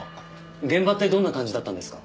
現場ってどんな感じだったんですか？